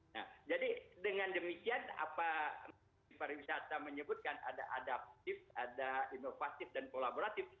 nah jadi dengan demikian apa menteri pariwisata menyebutkan ada adaptif ada inovatif dan kolaboratif